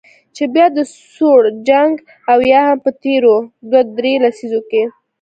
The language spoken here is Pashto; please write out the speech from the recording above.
چې بیا د سوړ جنګ او یا هم په تیرو دوه درې لسیزو کې